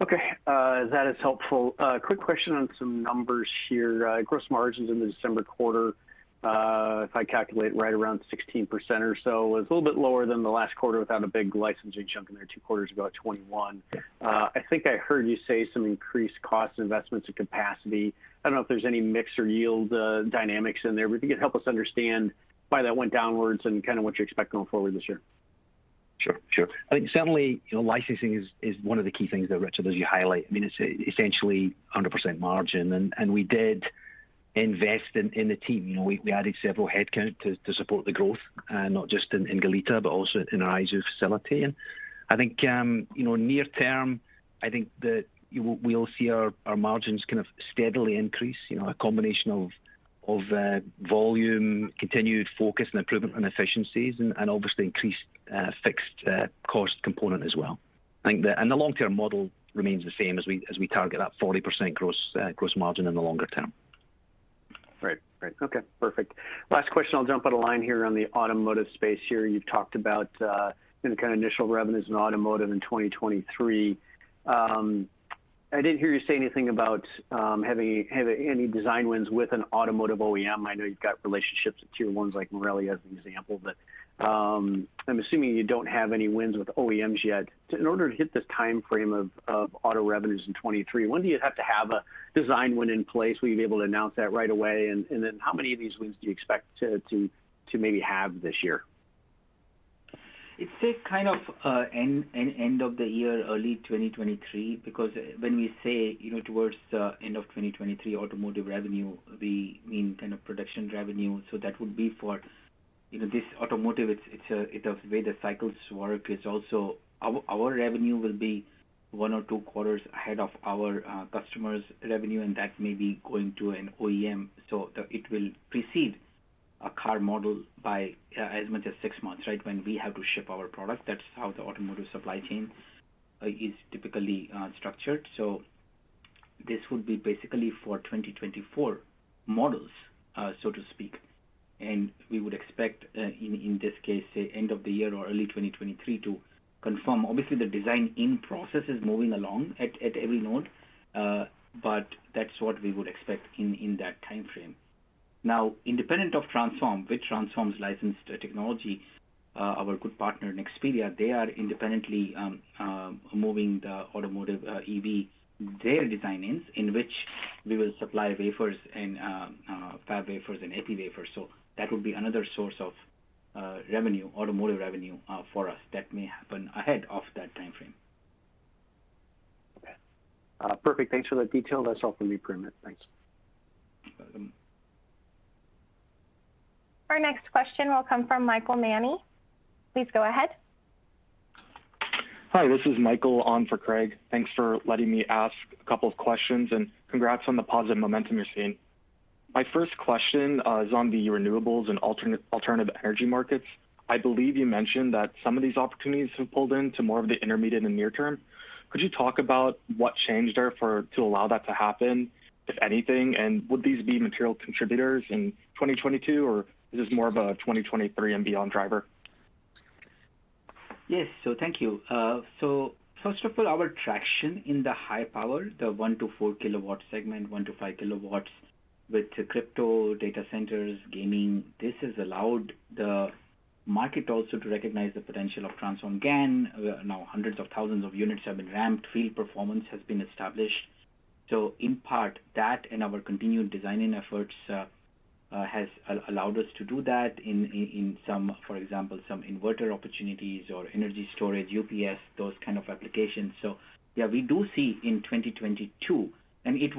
Okay. That is helpful. Quick question on some numbers here. Gross margins in the December quarter, if I calculate right around 16% or so, was a little bit lower than the last quarter without a big licensing chunk in there, two quarters ago at 21%. I think I heard you say some increased cost investments and capacity. I don't know if there's any mix or yield dynamics in there, but if you could help us understand why that went downwards and kind of what you expect going forward this year. Sure, sure. I think certainly, you know, licensing is one of the key things that, Richard, as you highlight, I mean, it's essentially a 100% margin. We did invest in the team. You know, we added several headcount to support the growth, not just in Goleta, but also in our Aizu facility. I think, you know, near term, I think that we'll see our margins kind of steadily increase, you know, a combination of volume, continued focus and improvement on efficiencies and obviously increased fixed cost component as well. I think the long-term model remains the same as we target that 40% gross margin in the longer term. Great. Great. Okay, perfect. Last question, I'll jump on a line here on the automotive space here. You've talked about, you know, kind of initial revenues in automotive in 2023. I didn't hear you say anything about having any design wins with an automotive OEM. I know you've got relationships with tier ones like Marelli as an example, but, I'm assuming you don't have any wins with OEMs yet. In order to hit this timeframe of auto revenues in 2023, when do you have to have a design win in place? Will you be able to announce that right away? And then how many of these wins do you expect to maybe have this year? It's, say, kind of end of the year, early 2023, because when we say, you know, towards the end of 2023 automotive revenue, we mean kind of production revenue. That would be for you know, this automotive, it's a way the cycles work. It's also our revenue will be one or two quarters ahead of our customers' revenue, and that may be going to an OEM. It will precede a car model by as much as 6 months, right? When we have to ship our product, that's how the automotive supply chains is typically structured. This would be basically for 2024 models, so to speak. We would expect, in this case, say end of the year or early 2023 to confirm. Obviously, the design in process is moving along at every node, but that's what we would expect in that timeframe. Now, independent of Transphorm, which Transphorm licensed technology, our good partner Nexperia, they are independently moving the automotive EV their design-ins, in which we will supply wafers and fab wafers and epi wafers. That would be another source of revenue, automotive revenue, for us that may happen ahead of that timeframe. Okay. Perfect. Thanks for the detail. That's all for me, Prerna. Thanks. Our next question will come from Michael Mani. Please go ahead. Hi, this is Michael Mani on for Craig. Thanks for letting me ask a couple of questions, and congrats on the positive momentum you're seeing. My first question is on the renewables and alternative energy markets. I believe you mentioned that some of these opportunities have pulled in to more of the intermediate and near term. Could you talk about what changed there to allow that to happen, if anything? And would these be material contributors in 2022, or is this more of a 2023 and beyond driver? Yes. Thank you. First of all, our traction in the high power, the 1-4 kilowatt segment, 1-5 kilowatts with crypto, data centers, gaming, this has allowed the market also to recognize the potential of Transphorm GaN. Now hundreds of thousands of units have been ramped, field performance has been established. In part, that and our continued designing efforts has allowed us to do that in some, for example, some inverter opportunities or energy storage, UPS, those kind of applications. Yeah, we do see in 2022. We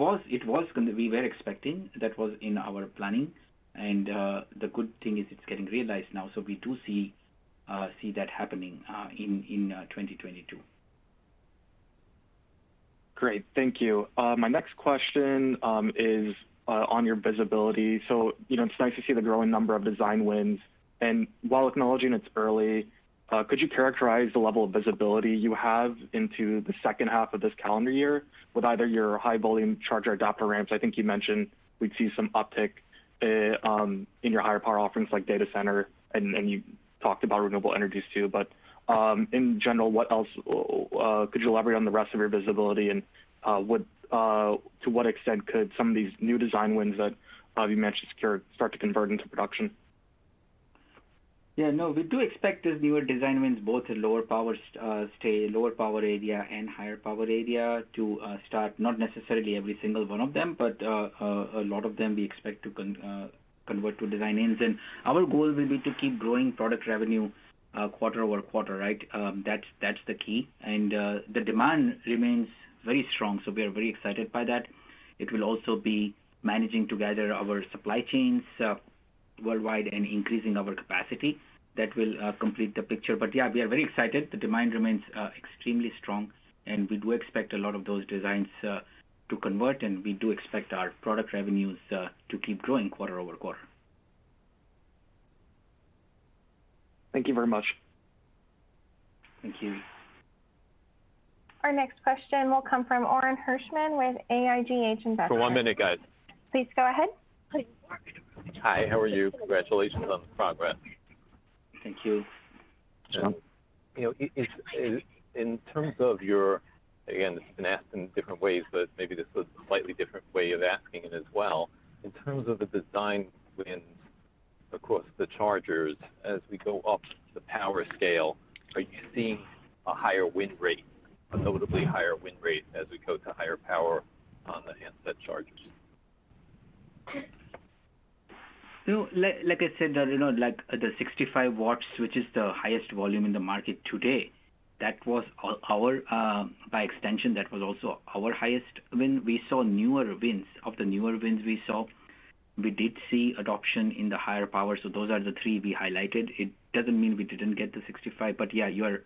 were expecting, that was in our planning. The good thing is it's getting realized now. We do see that happening in 2022. Great. Thank you. My next question is on your visibility. You know, it's nice to see the growing number of design wins. While acknowledging it's early, could you characterize the level of visibility you have into the second half of this calendar year with either your high volume charger adapter ramps? I think you mentioned we'd see some uptick in your higher power offerings like data center, and you talked about renewable energies too. In general, what else could you elaborate on the rest of your visibility and to what extent could some of these new design wins that you mentioned could start to convert into production? Yeah, no, we do expect these newer design wins both at lower power, lower power area and higher power area to start, not necessarily every single one of them, but a lot of them we expect to convert to design wins. Our goal will be to keep growing product revenue quarter-over-quarter, right? That's the key. The demand remains very strong, so we are very excited by that. It will also be managing together our supply chains worldwide and increasing our capacity. That will complete the picture. Yeah, we are very excited. The demand remains extremely strong, and we do expect a lot of those designs to convert, and we do expect our product revenues to keep growing quarter-over-quarter. Thank you very much. Thank you. Our next question will come from Orin Hirschman with AIGH Investment Partners. For one minute, guys. Please go ahead. Please. Hi, how are you? Congratulations on the progress. Thank you. You know, in terms of your. Again, it's been asked in different ways, but maybe this is a slightly different way of asking it as well. In terms of the design wins across the chargers, as we go up the power scale, are you seeing a higher win rate, a notably higher win rate as we go to higher power on the handset chargers? No, like I said, you know, like the 65 watts, which is the highest volume in the market today, that was our, by extension, that was also our highest win. We saw newer wins. Of the newer wins we saw, we did see adoption in the higher power, so those are the three we highlighted. It doesn't mean we didn't get the 65, but yeah, you're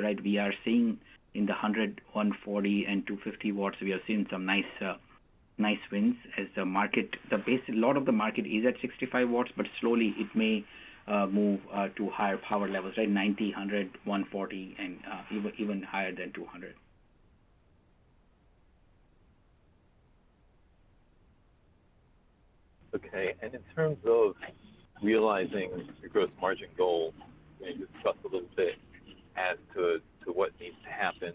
right. We are seeing in the 100, 140, and 250 watts, we are seeing some nice wins as a lot of the market is at 65 watts, but slowly it may move to higher power levels, right? 90, 100, 140, and even higher than 200. Okay. In terms of realizing your gross margin goal, you know, you've talked a little bit as to what needs to happen.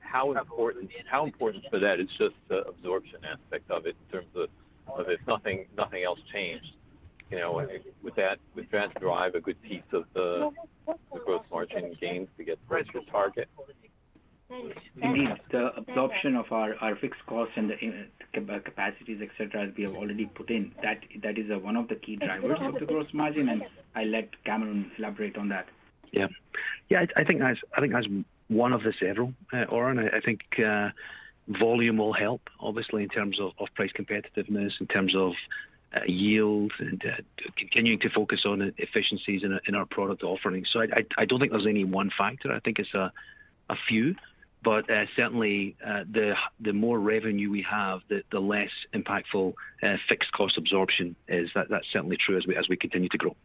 How important for that is just the absorption aspect of it in terms of if nothing else changed, you know? Would that drive a good piece of the gross margin gains to get towards your target? You mean the absorption of our fixed costs and the capacities, et cetera, as we have already put in? That is one of the key drivers of the gross margin, and I'll let Cameron elaborate on that. I think that's one of the several, Orin. I think volume will help, obviously, in terms of price competitiveness, in terms of yield and continuing to focus on efficiencies in our product offerings. I don't think there's any one factor. I think it's a few, but certainly the more revenue we have, the less impactful fixed cost absorption is. That's certainly true as we continue to grow.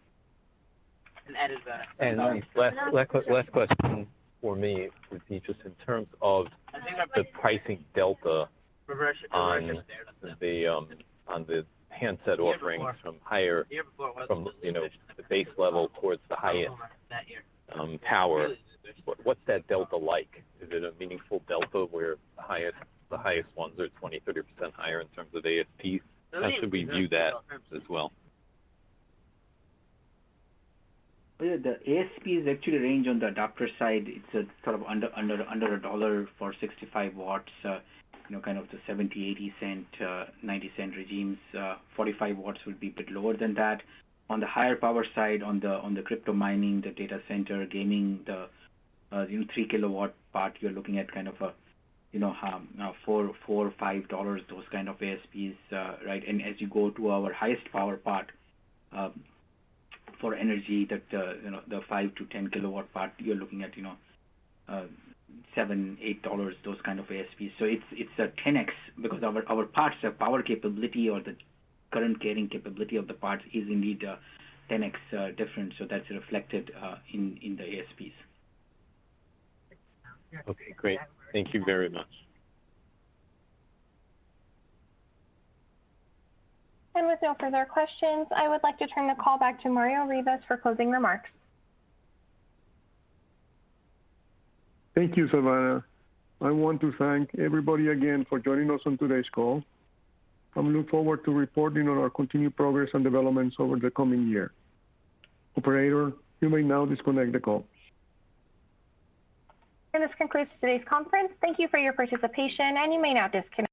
That is Last question for me would be just in terms of the pricing delta on the handset offerings from you know, the base level towards the highest power. What's that delta like? Is it a meaningful delta where the highest ones are 20, 30% higher in terms of ASPs? How should we view that as well? The ASPs actually range on the adapter side. It's sort of under $1 for 65 W. You know, kind of the 70-cent, 80-cent, 90-cent regimes. 45 W would be a bit lower than that. On the higher power side, on the crypto mining, the data center, gaming, you know, 3-kilowatt part, you're looking at kind of a, you know, $4-5 ASPs, right? As you go to our highest power part, for energy, the 5- to 10-kilowatt part, you're looking at, you know, $7-8 ASPs. It's a 10X because our parts, the power capability or the current carrying capability of the parts is indeed a 10X difference. That's reflected in the ASPs. Okay, great. Thank you very much. With no further questions, I would like to turn the call back to Mario Rivas for closing remarks. Thank you, Savannah. I want to thank everybody again for joining us on today's call. I look forward to reporting on our continued progress and developments over the coming year. Operator, you may now disconnect the call. This concludes today's conference. Thank you for your participation, and you may now disconnect.